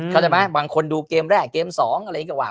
เข้าใจไหมบางคนดูเกมแรกเกม๒อะไรอย่างนี้ก็ว่า